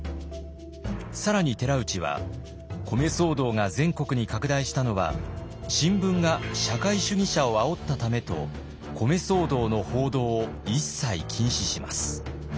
更に寺内は米騒動が全国に拡大したのは新聞が社会主義者をあおったためと米騒動の報道を一切禁止します。